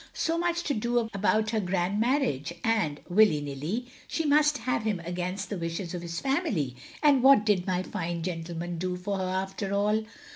"So much to do about her grand marriage, and, willy nilly, she must have him against the wishes of his family, and what did my fine gentleman do for her after all?